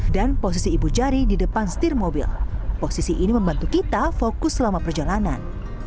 dan posisi ibu jari di depan setir mobil posisi ini membantu kita fokus selama perjalanan